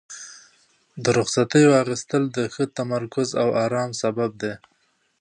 د رخصتیو اخیستل د ښه تمرکز او ارام سبب دی.